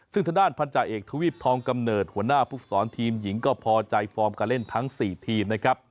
ซึ่งทางด้านพันธาเอกทวีปทองกำเนิดหัวหน้าภูกษรทีมหญิงก็พอใจฟอร์มการเล่นทั้ง๔ทีมนะครับ